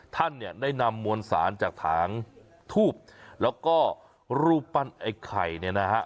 ท่านเนี่ยได้นำมวลสารจากถางทูบแล้วก็รูปปั้นไอ้ไข่เนี่ยนะฮะ